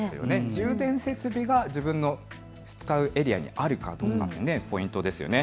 充電設備が自分の使うエリアにあるかどうかがポイントですよね。